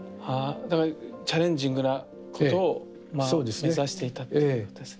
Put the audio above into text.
だからチャレンジングなことを目指していたっていうことですね。